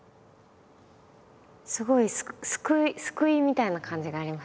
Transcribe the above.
すごい救いみたいな感じがあります。